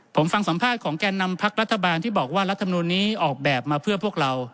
ผมฟังสัมภาษณ์ของแก่นำพักรัฐบาลที่บอกว่ารัฐมนุนนี้ออกแบบมาเพื่อพวกเรา